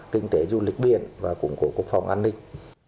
kinh tế du lịch biển và củng cố quốc phòng an ninh